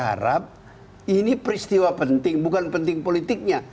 saya berharap ini peristiwa penting bukan penting politiknya